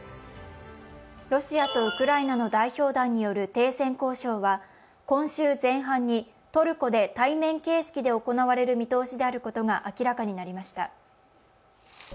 ロシアとウクライナの代表団による停戦交渉は今週前半にトルコで対面形式で行われる見通しであることが明らかになりました。